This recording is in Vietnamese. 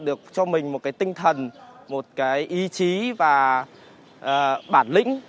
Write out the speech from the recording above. được cho mình một cái tinh thần một cái ý chí và bản lĩnh